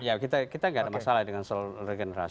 ya kita nggak ada masalah dengan soal regenerasi